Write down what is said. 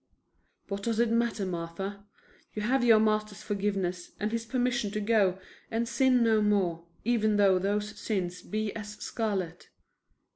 "What does it matter, Martha? You have your Master's forgiveness and His permission to go and sin no more, even though those sins be as scarlet."